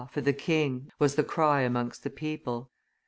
for the king!" was the cry amongst the people.